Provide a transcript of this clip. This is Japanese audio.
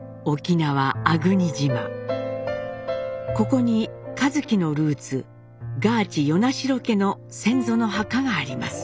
ここに一輝のルーツガーチ与那城家の先祖の墓があります。